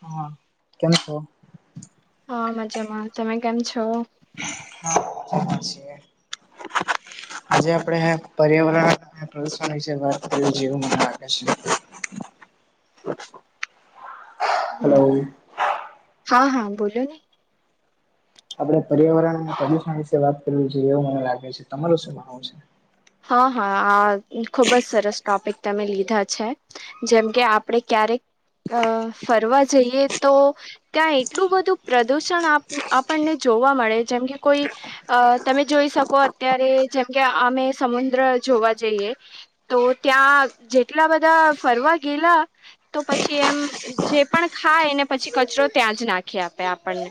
હા કેમ છો? હા મજામાં તમે કેમ છો? હા સા છીએ [inaudible] આજે આપણે પર્યાવરણ પ્રદુષણ વાત કરી જેવ- - અચ્છા. હમ હા હા બોલો ને- - આપડે પર્યાવરણ અને પ્રદુષણ વિશે વાત કરવી જોઈએ એવું મને લાગે છે તમારું શું માનવું છે? હા હા આ ખુબ જ સરસ ટોપિક તમે લીધા છે- - જેમ કે આપડે ક્યારેક અ ફરવા જઈએ તો- - ત્યાં એટલું બધું પ્રદુષણ આપણને જોવા મળે જેમ કે કોઈ- - અ તમે જોઈ શકો અત્યારે જેમ કે અમે સમુદ્ર જોવા જઈએ- - તો ત્યાં જેટલા બધા ફરવા ગેલા- - તો પછી એમ જે પણ ખાય એને પછી કચરો ત્યાં જ નાખી આપે આપણને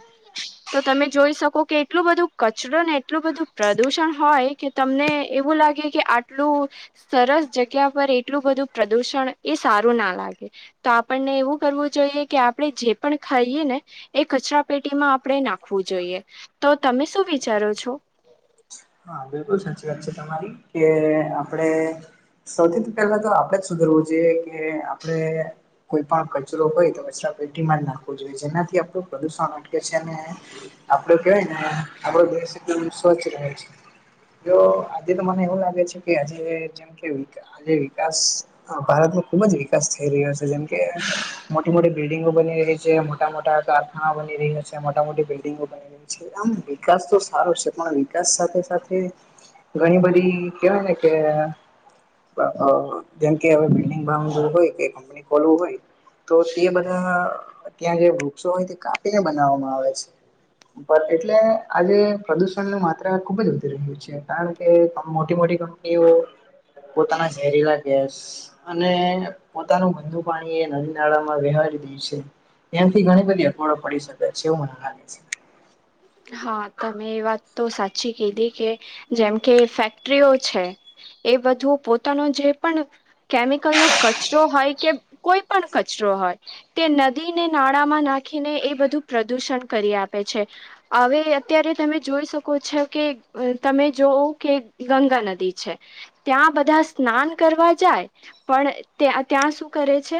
તો તમે જોઈ શકો કે એટલું બધું કચરો ને એટલું બધું પ્રદુષણ હોય કે તમને એવું લાગે કે આટલું સરસ જગ્યા પર એટલું બધું પ્રદુષણ એ સારું ના લાગે તો આપણને એવું કરવું જોઈએ કે આપણેે જે પણ ખાઈએ ને એ કચરા પેટીમાં આપણે નાખવું જોઈએ તો તમે શું વિચારો છો હા બિલકુલ સાચી વાત છે તમારી કે આપડ સૌથી પહેલા તો આપડે જ સુધરવું જોઈએ કે આપણે કોઈ પણ કચરો હોય તો કચરા પેટીમાં જ નાખવો જોઈએ જેનાથી આપણું પ્રદુષણ અટકે છે અને આપડો કેવાય ને આપડો દેશ એકદમ સ્વચ્છ રહે છે તો આજે તો મને એવું લાગે છે કે આજે જેમ કે આજે વિકાસ ભારતનો ખુબ જ વિકાસ થઈ રહ્યો છે જેમ કે મોટી મોટી બિલ્ડિંગો બની રહી છે મોટા મોટા કાર ઘણા બની રહ્યા છે મોટા મોટી બિલ્ડિંગો બની રહી છે આમ વિકાસ તો સારો છે પણ વિકાસ સાથે સાથે ઘણી બધી કેવાય ને કે જેમકે હવે બિલ્ડંગ બાું હોય કે કંપની ખોલવું હોય તો તે બધા ત્યાં જે વૃક્ષો હોય તે કાપીને બનાવવામાં આવે છે એટલે આજે પ્રદુષણની માત્રા ખુબ જ છે કારણ કે મોટી મોટી કંપનીઓ પોતાના ઝેરીલા ગેસ અને પોતાનું ગંદુ પાણી એ નદી નાળામાં વહારી દે છે ત્યાંથી ઘણી બધી અખવાડો પડી શકે છેવ મને લાગે છે હા તમે એ વાત તો સાચી કીધી કે જેમ કે ફેક્ટરીઓ છે એ બધું પોતાનો જે પણ કેમિકલ નો કચરો હોય કે કોઈ પણ કચરો હોય તે નદીને નાળામાં નાખીને એ બધું પ્રદુષણ કરી આપે છે હવે અત્યારે તમે જોઈ શકો છો કે અ તમે જોવ કે ગંગા નદી છે ત્યાં બધા સ્નાન કરવા જાય પણ ત્યાં શું કરે છે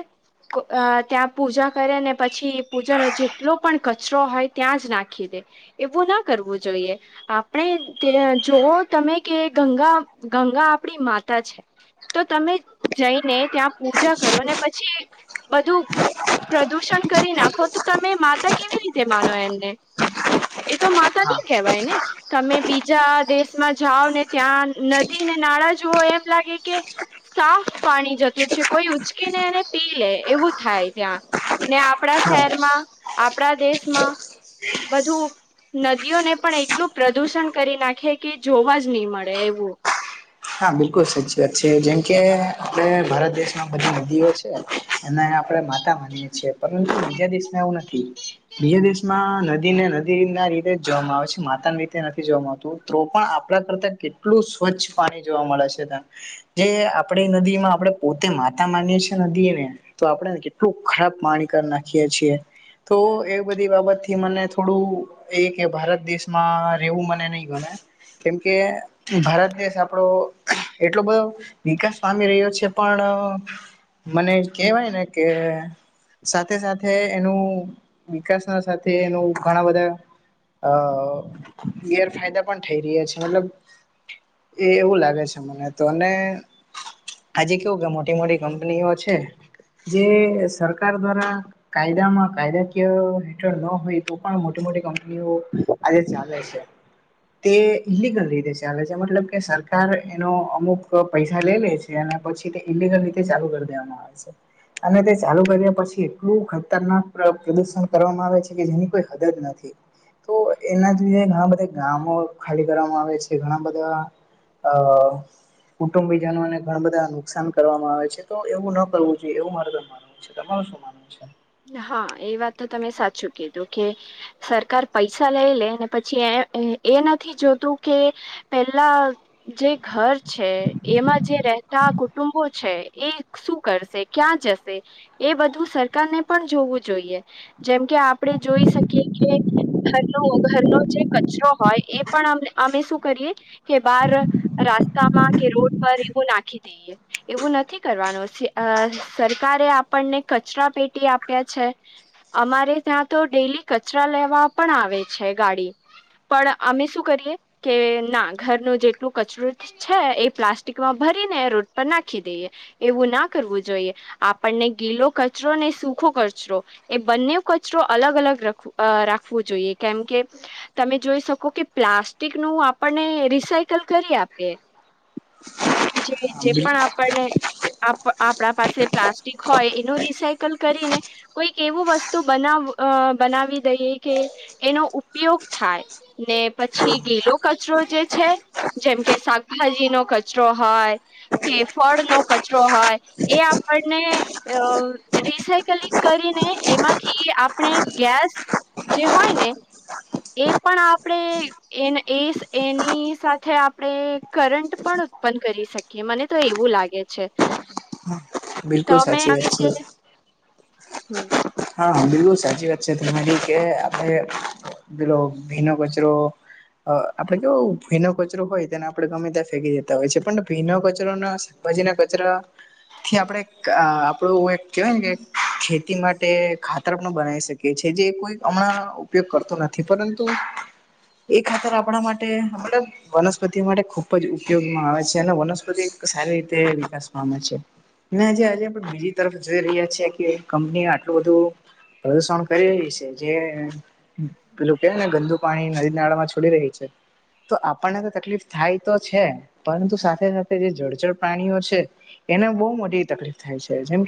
અ ત્યાં પૂજા કરે ને પછી પૂજાનો જેટલો પણ કચરો હોય ત્યાં જ નાખે રાખી દે એવું ના કરવું જોઈએ આપણે જોવ તમે કે ગંગા ગંગા આપડી માતા છે તો તમે જઈને ત્યાં પૂજા કરો ને પછી બધું પ્રદૂષણ કરી નાખો તો તમે માતા કેવી રીતે માનો એમને એ તો માતા હા નહી કેહેવાય ને તમે બીજા દેશમાં જાઓ ને ત્યાં નદી ને નાળં જુવઓ એમ લાગે કે સાફ પાણી જતું છે કોઈ ઉચકી ને અને પી લે એવું થાય ત્યાં ને આપણા હા શહેરમાં આપણા દેશમાં વધુ નદીઓને પણ એટલું પ્રદુષણ કરી નાખે કે જોવા જ નહી મળે એવું હા બિલકુલ સાચી વાત છે જેમકે આપણે ભારત દેશમાં બધા નદીઓ છે એના આપણેે માતા માનીએે છીએ પરંતુ બીજા દેશમાં એવું નથી બીજા દેશમાં નદી ને નદી રીતે જ જોવામાં આવે છે માતા રીતે નથી જોવાવામાં આવતું તો પણ આપણા કરતા કેટલું સ્વચ્છ પાણી જોવા મળે છે ત્યા જે આપણે નદીમાં આપણેે પોતે માતા માનીએ છીએ નદી એને તો આપણેને કેટલું ખરાબ પાણી કરી નાખીએ છીએ તો એ બધી બાબતથી મને થોડું એ કે ભારત દેશમાં રહેેવું મને નહી ગણ કેમકે ભારત દેશ આપ આપડો એટલો બધો વિકાસ પામી રહ્યો છે પણ મને કેહેવાય ને કે સાથે સાથે એનું વિકાસ ના સાથે એનું ઘણા બધા અ ગેરફાયદા પણ થઈ રહ્યા છે મતલબ એ એવું લાગે છે મને તો અને આજે કેવું કે મોટી મોટી કંપનીઓ છે જે સરકાર દ્વારા કાયદામાં કાયદાકીય હેઠળ ન હોય તો પણ મોટી મોટી કંપનીઓ આજે ચાલે છે તે ઇલિગલ રીતે ચાલે છે મતલબ કે સરકાર એનો અમુક પૈસા લે લે છે અને પછી તે ઇલિગલ રીતે ચાલુ કરી દેવામાં આવે છે અને તે ચાલુ કર્યા પછી એટલું ખતરનાક પ્રદુષણ કરવામાં આવે છે કે જેની કોઈ હદ જ નથી તો એના જ લીધે ઘણા બધા ગામો ખાલી કરવામાં આવે છે ઘણા બધા હ કુટુંબીજનોને ઘણ બધા નુકસાન કરવામાં આવે છે તો એવું ન કરવું જોઈએ એવું મારે મા તમારું શું માનવું છે હા એ વાત તો તમે સાચું કીધું કે સરકાર પૈસા લઈ લે ને પછી એ એ નથી જોતું કે પેલા જે ઘર છે એમાં જે રહેતા કુટુંબો છે એ શું કરશે ક્યાં જશે એ બધું સરકારને પણ જોવું જોઈએ જેમ કે આપડે જોઈ શકીએ કે ઘરનો ઘરનો જે કચરો હોય એ પણ અમ અમે શું કરીએ કે બાર રાસ્તામાં કે રોડ પર એવું નાખી દઈએ. એવું નથી કરવાનું. સે અહ સરકારે આપણને કચરા પેટી આપ તે છે. અમારે ત્યાં તો ડેલી કચરા લેવા પણ આવે છે ગાડી. પણ અમે શું કરીએ કે ના ઘરનું જેટલું કચરું છે એ પ્લાસ્ટિકમાં ભરીને રોડ પર નાખી દઈએ. એવું ના કરવું જોઈએ આપણને ગીલો કચરો ને શું ખો કચરો એ બંને કચરો અલગ અલગ રખ અહ રાખવું જોઈએ કેમ કે તમે જોઈ શકો કે પ્લાસ્ટિક નું આપણને રિસાયકલ કરી આપે. જે જે પણ હા આપણને આપ આપડા પાસે પ્લાસ્ટિક હોય એનું રિસાયકલ કરીને કોઈક એવું વસ્તુ બનાવ અહ બનાવી દઈએ કે એનો ઉપયોગ થાય ને પછી ગીલો કચરો જે છે જેમ કે શાકભાજી નો કચરો હોય તે ફળ નો કચરો હોય એ આપણને અહ રિસાયકલિંગ કરીને એમાંથી આપણે ગેસ જે હોય ને એ પણ આપડે એને એસ એની સાથે આપણેે કરંટ પણ ઉત્પન્ન કરી શક કે મને તો એવું લાગે છે. બિલકુલ તમે સાચી આ વાત વિશે છે. હમ્મ હા, બિલકુલ સાચી વાત છે તમારી કે આપડે બેલો ભીનો કચરો અહ આપડે કેવો ભીનો કચરો હોય, તેને આપડે ગમે તં ફેંકી દેતા હોય છે, પણ ભીનો કચરો ના ભજીના કચરા થી આપડે અહ આપણું એક કહેવાય ને કે ખેતી માટ તે ખાતર માં બનાવી શકે છે જે કોઈ હમણાં ઉપયોગ કરતો નથી પરંતુ એ ખાતર આપણા માટે મતલબ વનસ્પતિ માટે ખુબ જ ઉપયોગમાં આવે છે અને વનસ્પતિ સારી રીતે વિકાસ પામે છે. ના જે આજે પણ બીજી તરફ જોઈ રહ્યા છે કે કંપની આટલું બધું પ્રદુષણ કરી રહી છે જે પેલું કે ને ગંદુ પાણી નદી નાળા માં છોડી રહી છે તો આપણને તો તકલીફ થાય તો છે પરંતુ સાથે સાથે જે જળચર પ્રાણીઓ છે એને બહુ મોટી તકલીફ થાય છે જેમ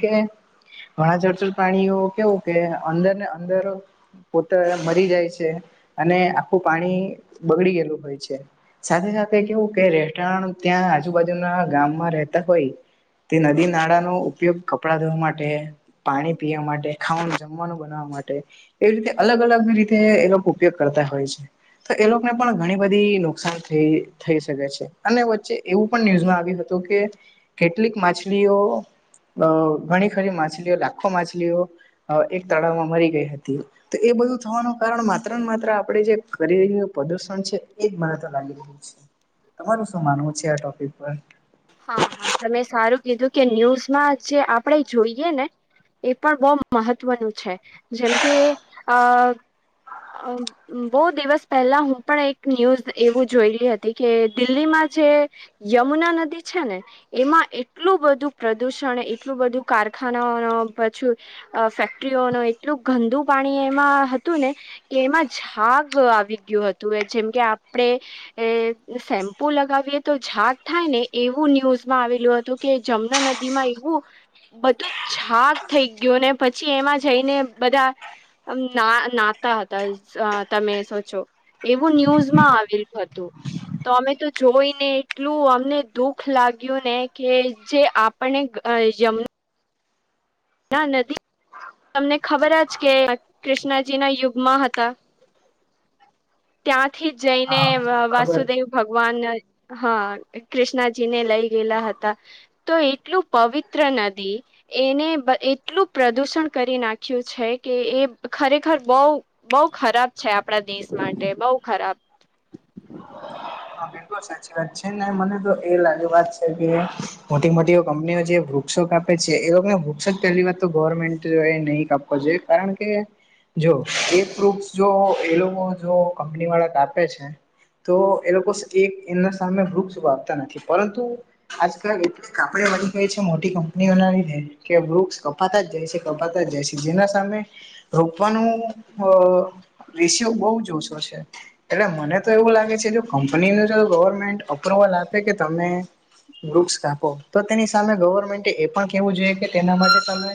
આ જચુ પ્રાણીઓ કેવું કે અંદર ને અંદર પોતે મરી જાય છે અને આખું પાણી બગડી ગયેલું હોય છે. સાથે સાથે, કેવું કે રેસ્ટોરન્ટ ત્યાં આજુબાજુના ગામમાં રહેતા હોય તે નદી નાળાનો ઉપયોગ કપડા ધોવા માટે પાણી પીવા માટે, ખાવાનું જમવાનું બનાવવા માટે એવી રીતે અલગ-અલગ રીતે એનો ઉપયોગ કરતા હોય છે. તો એ લોકોને પણ ઘણી બધી નુકસાન થઈ થઈ શકે છે અને વચ્ચે એવું પણ ન્યૂઝમાં આવ્યું હતું કે કેટલીક માછલીઓ અહ, ઘણી ખરી માછલીઓ, લાખો માછલીઓ અહ એક તળાવમાં મરી ગઈ હતી. તો એ બધું થવાનું કારણ માત્ર ને માત્ર આપે જે કરી રહ્યું પ્રદુષણ છે, એજ મને તો લાગે એવું છે. તમારું શું માનવું છે આ ટોપિક પર? હા હા, તમે સારું કીધું કે ન્યૂઝમાં જે આપણેે જોઈએ ને એ પણ બહુ મહત્વનું છે, જેમ કે અહ અમ્મ બહુ દિવસ પહેલા, હું પણ એક ન્યૂઝ એવું જોયલી હતી કે દિલ્હીમાં જે યમુના નદી છે ને. એમાં એટલું બધું પ્રદુષણ, એટલું બધું કારખાના પછું અહ, ફેક્ટરીઓનું એટલું ગંદુ પાણી એમાં હતું ને કે એમાં ઝાગ આવી ગયું હતું, જેમ કે આપડે એ શેમ્પુ લગાવીએ તો ઝાડ થાય ને? એવું ન્યુઝમાં આવેલું હતું કે જમુના નદી માં એવું બધું ઝાડ થઈ ગયું ને, પછી એમાં જઈને બધા ના, નાહતા હતા, તમે તો જોવો. એવું ન્યૂઝમાં આવેલું હતું, તો અમે તો જોઈ ને એટલું અમને દુઃખ લાગ્યું ને કે, જે આપણે જે યમુના ના નથી. તમને ખબર જ કે, કૃષ્ણજી ના યુગમાં હતા. ત્યાંથી જ જઈને હા ખબર વાસુદેવ ભગવાન, હા, કૃષ્ણાજી ને લઈ ગયેલા હતા. તો એટલું પવિત્ર નદી એને એટલું પ્રદુષણ કરી નાખ્યું છે કે, એ ખરેખર બહુ બઉ ખરાબ છે આપણા દેશ માટે, બઉ ખરાબ. હા સાચી વાત છે ને, મને તો એ લાગણીની વાત છે કે મોટી મોટી એ કંપનીઓ જે વૃક્ષો કા આપ એ લોકો વૃક્ષો પહેલી વાત, તો ગવર્મેન્ટ એ નહીં આપવા જોઈએ, કારણ કે જો એ પ્રૂફ, જો એ લોકો કંપની વાળાને આપે છે. તો એ લોકો એમના સામે વૃક્ષ આપતા નથી, પરંતુ આજકાલ ગામડે વધી ગઈ છે. મોટી કંપની. ના થાય કે વૃક્ષ કપાતા જાય છે, કપાતા જાય છે, જેના સામે રોપવાનું અ રેશિયો બહુ ઓછો છે. એટલે મને તો એવું લાગે છે જો. અને અંદર જો ગવર્મેન્ટ અપ્રુવલ આપે કે તમે વૃક્ષ કાપો તો તેની સામે ગવર્મેન્ટ એ પણ કેવું જોઈએ કે તેના માટે તમે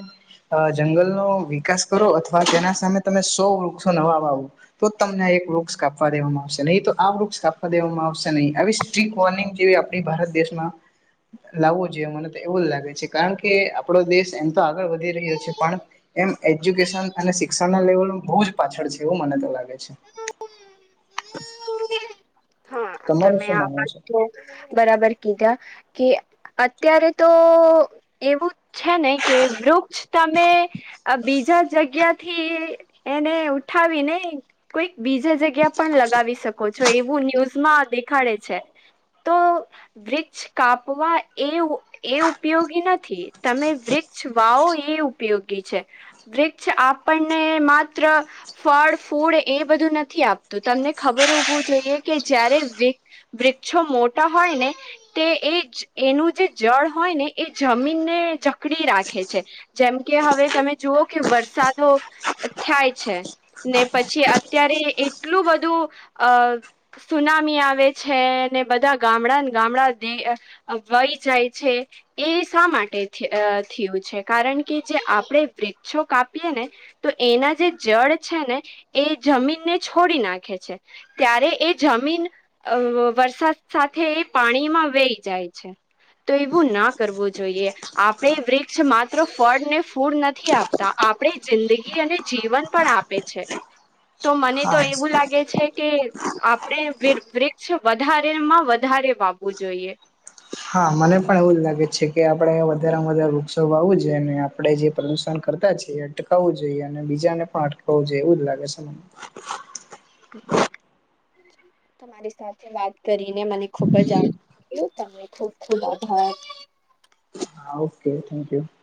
અ, જંગલનો વિકાસ કરો અથવા તેના સામે તમે સો વૃક્ષો નવા વાવો. તો તમને એક વૃક્ષ કાપવા દેવામાં આવશે નહીં, તો આ વૃક્ષ કાપવા દેવામાં આવશે નહીં, આવી સ્ટ્રીટ વોર્નિંગ જેવી આપણી ભારત દેશમાં લાવવું જોઈએ, મને તો એવું જ લાગે છે, કારણ કે આપણો દેશ એમ તો આગળ વધી રહ્યો છે, પણ એમ એજ્યુકેશન અને શિક્ષણ ના લેવલ બહુ જ પાછળ છે, એવું મને તો લાગે છે. હા તમારું તમે શું આ માનવું છે અવાજ બરાબર કીધા. કે અત્યારે તો એવું છે ને કે, વૃક્ષ તમે બીજા જગ્યા થી એને ઉઠાવી ને કોઈક બીજા જગ્યા પણ લગાવી શકો છો, એવું ન્યૂઝમાં દેખાડે છે. તો વૃક્ષ કાપવા એવું. એ ઉપયોગી નથી, તમે વૃક્ષ વાવો એ ઉપયોગી છે. વૃક્ષ આપણને માત્ર ફળ ફૂડ એ બધું નથી આપતું. તમને ખબર હોવુ જોઈએ કે જયારે વૃ વૃક્ષો મોટા હોય ને તે એ જ એનું જે જળ હોય ને એ જમીનને ચકડી રાખે છે. જેમ કે હવે તમે જુઓ કે વરસાદો થાય છે ને પછી અત્યારે એટલું બધું અ સુનામી આ આવે છે ને બધા ગામડાને ગામડા [unintelligible] વહી જાય છે. એ શા માટે થ અ થિયુ છે. કારણ કે જે આપણે વૃક્ષો કાપીએ ને તો એના જે જડ છે ને એ જમીનને છોડી નાખે છે. ત્યારે એ જમીન અ વરસાદ સાથે એ પાણીમાં વેહી જાય છે. તો એવું ના કરવું જોઈએ. આપને વૃક્ષ માત્ર ફળ ને ફૂડ નથી આપતા આપડે જિંદગી અને જીવન પણ આપ પે છે તો મને તો હા એવું લાગે છે કે આપડે વી [unintelligible] ક્ષો વધારે માં વધારે વાવું જોઈએ. હા, મને પણ એવું જ લાગે છે કે આપણેે વધારેમાં વધારે વૃક્ષો વાવું જોઈ અને આપણે જે પ્રદુષણ કરતા છીએ. ટેકાવું જોઈએ અને બીજાને પણ અટકાવું જોએ એવું લાગે છે. મને [inaudible] તમારી સાથે વાત કરીને મને ખુબ જ આ એવું તમેં ખૂબ ખૂબ આભાર. હા, ઓકે થેન્ક યુ. [inaudible]